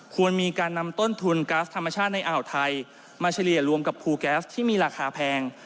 ควรมีการนำต้นทุนก๊าซธรรมชาติในอ่าวไทยมาเฉลี่ยรวมกับภูแก๊สที่มีราคาแพง